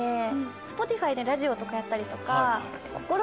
Ｓｐｏｔｉｆｙでラジオとかやったりとか。